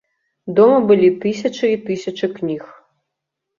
Дома былі тысячы і тысячы кніг.